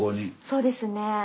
そうですね。